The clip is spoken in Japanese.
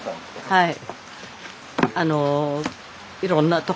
はい。